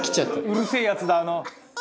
「うるせえやつだあの」